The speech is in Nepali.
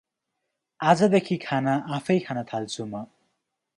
आजदेखि खाना आफैँ खान थाल्छु म ।